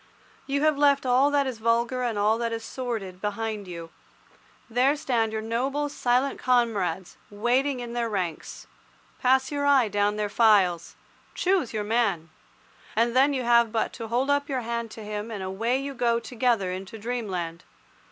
You have left all that is vulgar and all that is sordid behind you. There stand your noble, silent comrades, waiting in their ranks. Pass your eye down their files. Choose your man. And then you have but to hold up your hand to him and away you go together into dreamland.